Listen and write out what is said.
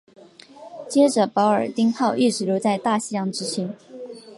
接着保尔丁号一直留在大西洋执勤。